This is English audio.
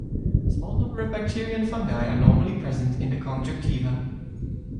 A small number of bacteria and fungi are normally present in the conjunctiva.